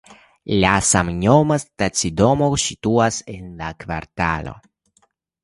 La samnoma stacidomo situas en la kvartalo.